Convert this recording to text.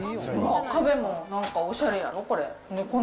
壁もなんかおしゃれやろ、これ。